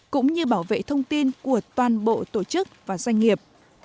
cũng như bảo vệ thông tin của toàn bộ tổ chức và doanh nghiệp